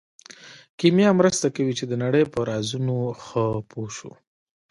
کیمیا مرسته کوي چې د نړۍ په رازونو ښه پوه شو.